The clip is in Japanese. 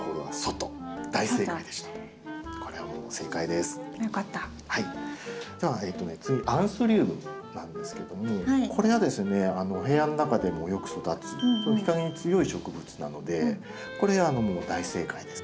では次アンスリウムなんですけどもこれはですねお部屋の中でもよく育つ日陰に強い植物なのでこれ大正解です。